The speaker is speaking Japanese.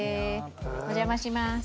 お邪魔します。